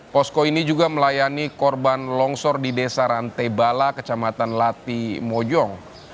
posko ini juga melayani korban longsor di desa rantebala kecamatan lati mojong